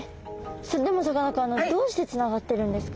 それでもさかなクンどうしてつながってるんですか？